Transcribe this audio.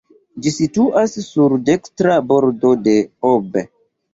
Ĝi situas sur dekstra bordo de Ob.